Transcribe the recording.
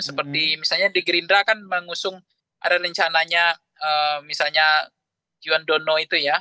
seperti misalnya di gerindra kan mengusung ada rencananya misalnya juan dono itu ya